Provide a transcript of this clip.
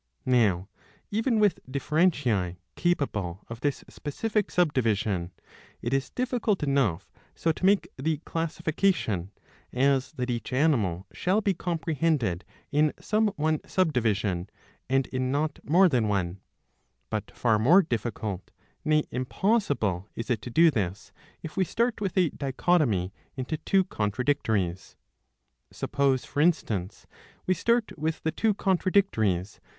Now even with differentiae capable of this specific subdivision it is difficult enough so to make the classification, as that each animal shall be comprehended in some one subdivision and in not more than one ; but far more difficult, nay impos sible, is it to do this, if we start with a dichotomy into two contradictories. (Suppose for instance we start with the two contradictories.